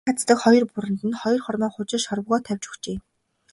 Хайрдаг хаздаг хоёр бууранд нь хоёр хормой хужир шорвогоо тавьж өгчээ.